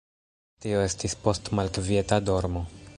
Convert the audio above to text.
Tio estis post malkvieta dormo.